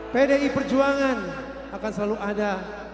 pdi perjuangan akan selalu ada